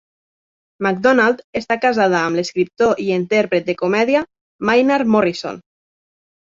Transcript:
MacDonald està casada amb l'escriptor i intèrpret de comèdia Maynard Morrison.